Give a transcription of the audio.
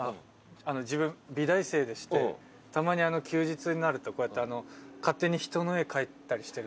あの自分美大生でしてたまに休日になるとこうやって勝手に人の絵描いたりしてるんですよ。